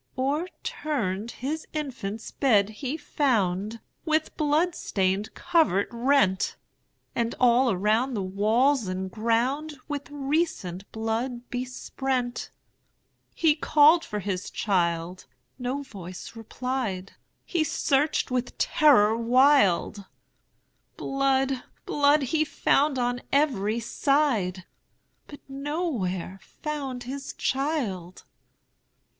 O'erturned his infant's bed he found, With blood stained covert rent; And all around the walls and groundWith recent blood besprent. He called his child,—no voice replied,—He searched with terror wild; Blood, blood, he found on every side, But nowhere found his child.